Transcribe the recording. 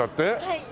はい。